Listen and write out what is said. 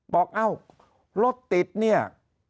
เอ้ารถติดเนี่ย